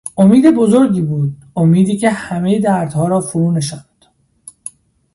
امید بزرگی بود، امیدی که همهی دردها را فرو نشاند.